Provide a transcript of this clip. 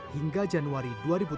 hingga januari dua ribu tujuh belas